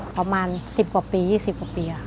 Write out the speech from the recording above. ประมาณ๑๐กว่าปี๒๐กว่าปีค่ะ